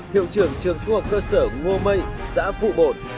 hiệu trưởng trường trung học cơ sở ngô mây xã phụ bổn